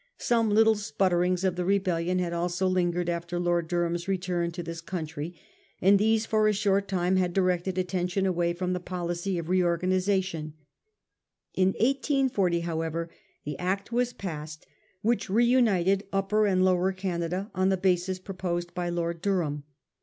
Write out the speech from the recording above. Some little sput terings of the rebellion had also lingered after Lord Durham's return to this country, and these for a short tim e had directed attention away from the policy of reorganisation. In 1840, however, the Act was passed which reunited Upper and Lower Canada on the basis proposed by Lord Durham.